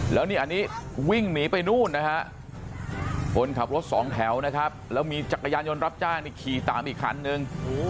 แล้วนี่อันนี้วิ่งหนีไปนู่นนะฮะคนขับรถสองแถวนะครับแล้วมีจักรยานยนต์รับจ้างนี่ขี่ตามอีกคันนึง